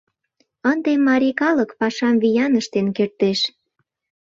Ынде марий калык пашам виян ыштен кертеш.